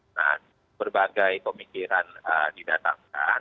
nah berbagai pemikiran didatangkan